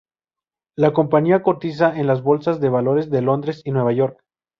La compañía cotiza en las bolsas de valores de Londres y Nueva York.